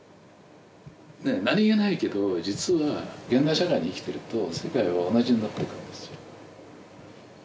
何気ないけど実は現代社会で生きてると世界は同じになっていくんですよ。